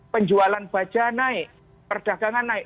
penjualan baja naik perdagangan naik